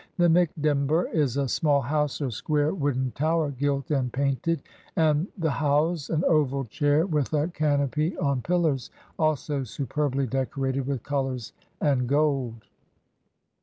The mikdember is a small house, or square wooden tower, gilt and painted; and the hauze, an oval 139 INDIA chair with a canopy on pillars, also superbly decorated with colors and gold.